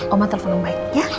oma telepon ombaik ya